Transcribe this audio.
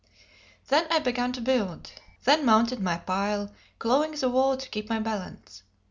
Then I began to build; then mounted my pile, clawing the wall to keep my balance.